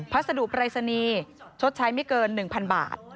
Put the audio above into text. พัสดุปรายศนีย์ชดใช้ไม่เกิน๑๐๐๐บาท